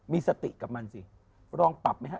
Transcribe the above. มีสติกับมันสิลองปรับไหมฮะ